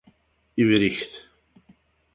Ibriket.